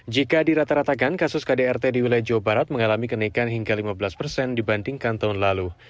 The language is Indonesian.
jika dirata ratakan kasus kdrt di wilayah jawa barat mengalami kenaikan hingga lima belas persen dibandingkan tahun lalu